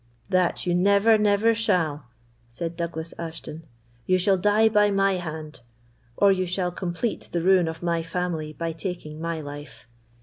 "That you never, never shall!" said Douglas Ashton. "You shall die by my hand, or you shall complete the ruin of my family by taking my life.